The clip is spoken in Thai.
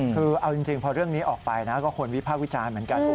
คือเอาจริงพอเรื่องนี้ออกไปนะก็คนวิพากษ์วิจารณ์เหมือนกัน